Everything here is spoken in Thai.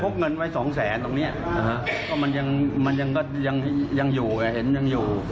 คิดว่ามันไม่รู้ตรงไหน